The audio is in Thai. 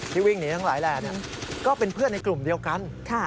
วิ่งหนีทั้งหลายแหล่ก็เป็นเพื่อนในกลุ่มเดียวกัน